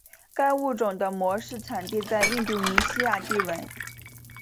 该物种的模式产地在印度尼西亚帝汶。